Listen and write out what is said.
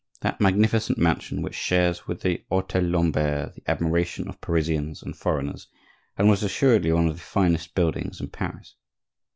that magnificent mansion which shares with the hotel Lambert the admiration of Parisians and foreigners, and was assuredly one of the finest buildings in Paris.